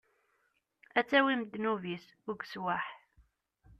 Ad tawim ddnub-is, ugeswaḥ.